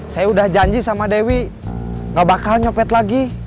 saya udah janji sama dewi gak bakal nyopet lagi